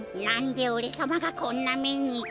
なんでおれさまがこんなめに。